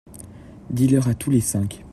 Dis leur à tous les cinq.